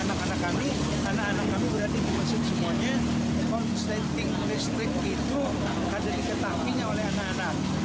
anak anak kami berarti di masjid semuanya korsleting listrik itu ada diketahuinya oleh anak anak